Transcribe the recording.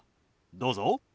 どうぞ。